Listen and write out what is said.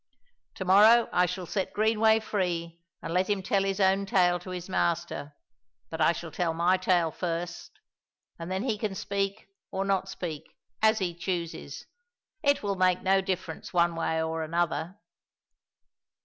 To morrow I shall set Greenway free and let him tell his own tale to his master. But I shall tell my tale first, and then he can speak or not speak, as he chooses; it will make no difference one way or another."